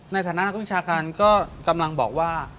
ในฐานะนักวิชาการก็กำลังบอกว่า